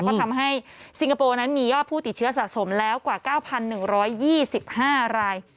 ก็ทำให้ซิงคโปร์นั้นมียอดผู้ติดเชื้อสะสมแล้วกว่า๙๑๒๕ราย